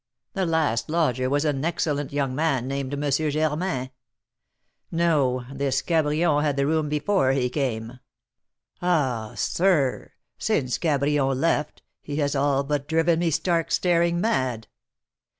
The last lodger was an excellent young man named M. Germain. No, this Cabrion had the room before he came. Ah, sir, since Cabrion left, he has all but driven me stark staring mad!"